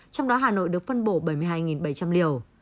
trong đó hà nội được phân bổ bảy mươi hai bảy trăm linh liều